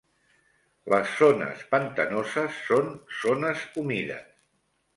Les zones pantanoses són zones humides.